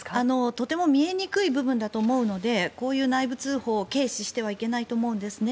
とても見えにくい部分だと思うのでこういう内部通報を軽視してはいけないと思うんですね。